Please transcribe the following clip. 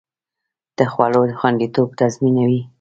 د خوړو خوندیتوب تضمینوي.